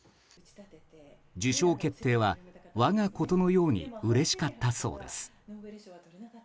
受賞決定は、我がことのようにうれしかったそうです。